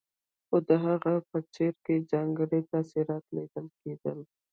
خو د هغه په څېره کې ځانګړي تاثرات ليدل کېدل.